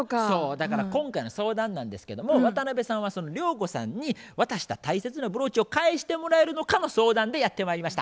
だから今回の相談なんですけども渡辺さんはその涼子さんに渡した大切なブローチを返してもらえるのかの相談でやってまいりました。